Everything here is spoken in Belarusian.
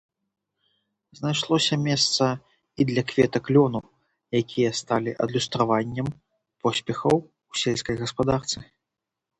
Знайшлося месца і для кветак лёну, якія сталі адлюстраваннем поспехаў у сельскай гаспадарцы.